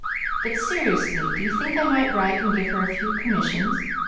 But seriously, do you think I might write and give her a few commissions?